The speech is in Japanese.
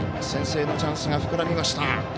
先制のチャンスが膨らみました。